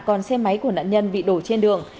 còn xe máy của nạn nhân bị đổ trên đường